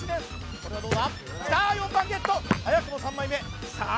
これはどうだきた４番ゲット早くも３枚目さあ